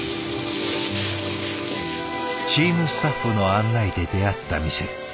チームスタッフの案内で出会った店。